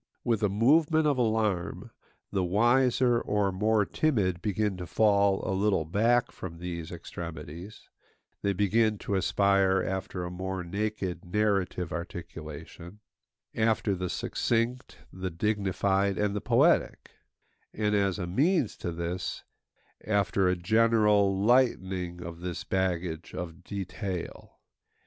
With a movement of alarm, the wiser or more timid begin to fall a little back from these extremities; they begin to aspire after a more naked, narrative articulation; after the succinct, the dignified, and the poetic; and as a means to this, after a general lightening of this baggage of detail.